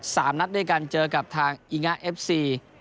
สามนัดด้วยกันเจอกับทางอีงะเอฟซี